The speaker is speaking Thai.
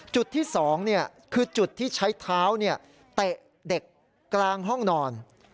จุดที่๒คือจุดที่ใช้เท้าเตะเด็กกลางห้องนอน